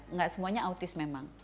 nggak semuanya autis memang